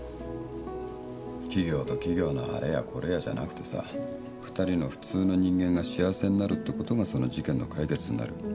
企業と企業のあれやこれやじゃなくてさ二人の普通の人間が幸せになるってことがその事件の解決になる。